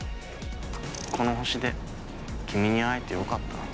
この星で君に会えてよかった。